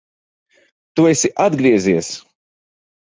Tu esi atgriezies!